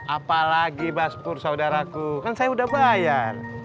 apalagi mas pur saudaraku kan saya udah bayar